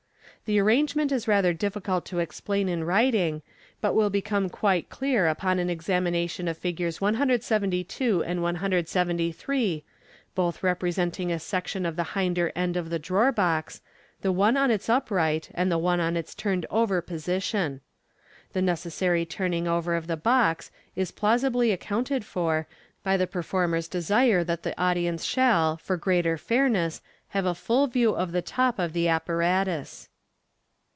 The ar rangement is rather difficult to explain in writin quite clear upon an examination of Figs. 172 aud 173, both repre senting a section of the hinder end of the drawer box, the one in its upright and the one in its turned over position. The necessary turning over of the box is plausioly accounted for by the performer's desire that the audience shall, for greater fairness, have a full view of the top of the appa ratus.